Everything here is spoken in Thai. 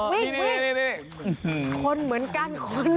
คนเหมือนกันคนเหมือนกัน